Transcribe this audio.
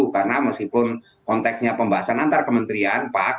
karena meskipun konteksnya pembahasan antar kementerian pak